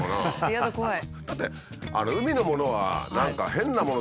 嫌だ怖い。